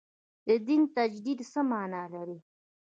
د دین تجدید څه معنا لري.